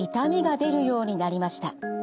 出るようになりました。